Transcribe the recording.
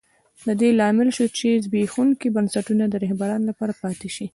د دې لامل شوه چې زبېښونکي بنسټونه د رهبرانو لپاره پاتې شي.